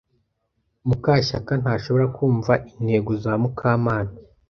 Mukashyaka ntashobora kumva intego za Mukamana.